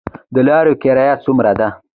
د لاریو کرایه څومره ده؟